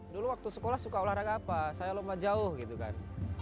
dulu waktu sekolah suka olahraga apa saya lompat jauh gitu kan